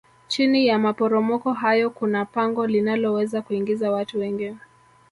chini ya maporomoko hayo kuna pango linaloweza kuingiza watu wengi